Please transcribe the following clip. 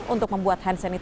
untuk membuat hand sanitizer